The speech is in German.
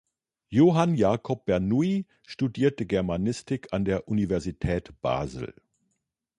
Johann Jakob Bernoulli studierte Germanistik an der Universität Basel.